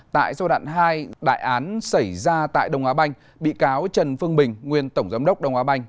tại giai đoạn hai đại án xảy ra tại đông á banh bị cáo trần phương bình nguyên tổng giám đốc đông á banh